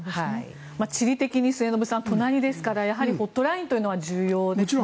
地理的に末延さん隣ですからやはりホットラインというのは重要ですね。